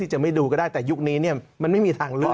จะไม่ดูก็ได้แต่ยุคนี้มันไม่มีทางเลือก